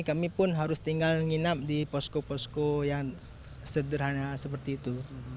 kami pun harus tinggal nginap di posko posko yang sederhana seperti itu